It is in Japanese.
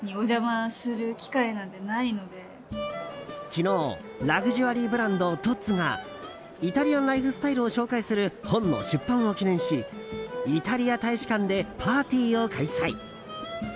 昨日、ラグジュアリーブランドトッズがイタリアンライフスタイルを紹介する本の出版を記念しイタリア大使館でパーティーを開催。